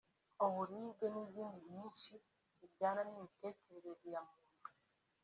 uburibwe n’izindi nyinshi zijyana n’imitekerereze ya muntu